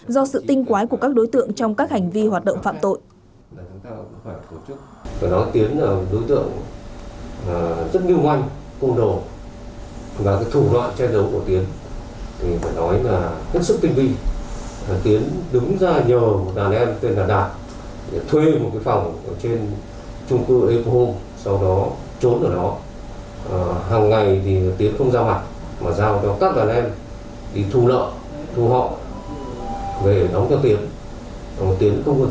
do sự tinh quái của các đối tượng trong các hành vi hoạt động phạm tội